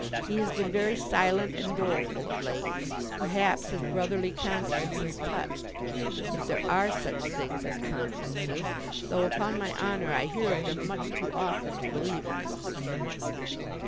He has been very silent and doleful of late. Perhaps, his brotherly conscience is touched—if there are such things as consciences. Though, upon my honour, I hear of them much too often to believe in them.